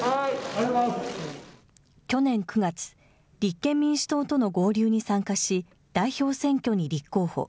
去年９月、立憲民主党との合流に参加し、代表選挙に立候補。